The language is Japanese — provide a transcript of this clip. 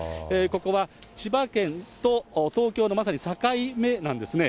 ここは千葉県と東京のまさに境目なんですね。